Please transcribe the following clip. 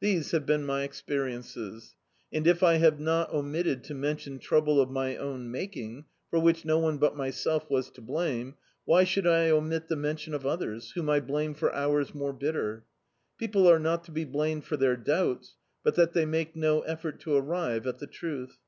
These have been my experiences; and if I have not omitted to mention trouble of my own making, for which no one but myself was to blame, why should I ranit the mention of others, whcnn I blame for hours more bitter ¥ People are not to be blamed for their doubts, but that they make no effort to arrive at the truth.